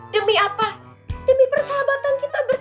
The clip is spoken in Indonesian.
demi apa demi persahabatan kita